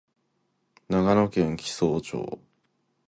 長野県木曽町